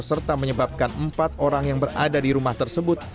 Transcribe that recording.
serta menyebabkan empat orang yang berada di rumah tersebut